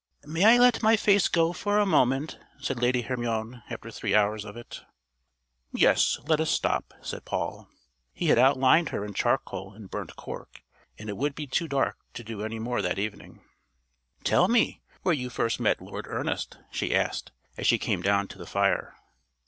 "May I let my face go for a moment?" said Lady Hermione after three hours of it. "Yes, let us stop," said Paul. He had outlined her in charcoal and burnt cork, and it would be too dark to do any more that evening. "Tell me where you first met Lord Ernest?" she asked, as she came down to the fire.